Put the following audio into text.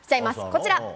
こちら。